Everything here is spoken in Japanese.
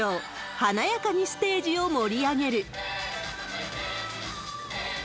華やかにステージを盛り上げる。